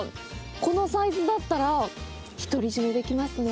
このサイズだったら「ひとりじめ」できますね。